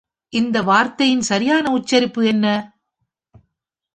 இந்த வார்த்தையின் சரியான உச்சரிப்பு என்ன?